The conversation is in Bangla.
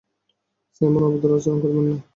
সাইমন, অভদ্র আচরণ করবেন না!